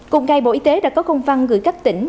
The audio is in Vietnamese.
cùng ngày bộ y tế đã có công văn gửi các tỉnh